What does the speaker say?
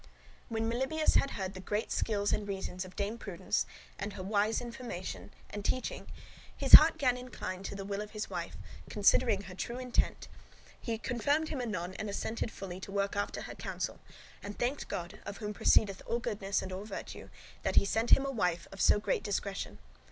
'" When Melibœus had heard the great skills [arguments, reasons] and reasons of Dame Prudence, and her wise information and teaching, his heart gan incline to the will of his wife, considering her true intent, he conformed him anon and assented fully to work after her counsel, and thanked God, of whom proceedeth all goodness and all virtue, that him sent a wife of so great discretion.